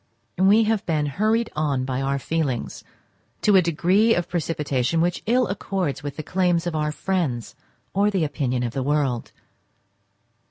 We have been hurried on by our feelings to a degree of precipitation which ill accords with the claims of our friends or the opinion of the world.